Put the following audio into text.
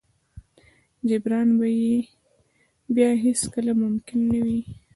جبران به يې بيا هېڅ کله ممکن نه وي.